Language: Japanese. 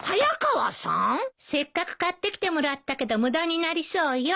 せっかく買ってきてもらったけど無駄になりそうよ。